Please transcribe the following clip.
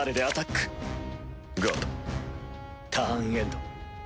ターンエンド。